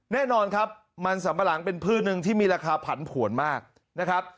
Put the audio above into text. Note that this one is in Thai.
แน่นอนครับมันสัมปะหลังเป็นพืชหนึ่งที่มีราคาผันผวนมากนะครับ